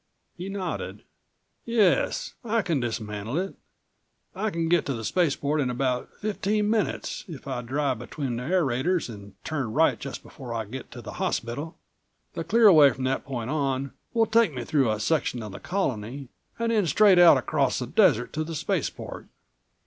He nodded. "Yes ... I can dismantle it. I can get to the spaceport in about fifteen minutes, if I drive between the aerators and turn right just before I get to the hospital. The clear away from that point on will take me through a section of the Colony and then straight out across the desert to the spaceport.